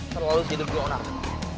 terlalu sedikit dionarkan